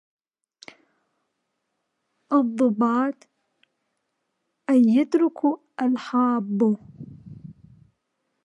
والضابط المحررُ الصوابُ أن يتركوا الحالُ الذي يعابُ